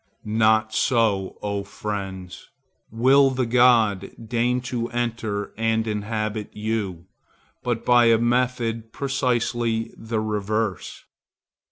Not so, O friends! will the God deign to enter and inhabit you, but by a method precisely the reverse.